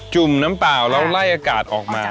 ุ่มน้ำเปล่าแล้วไล่อากาศออกมา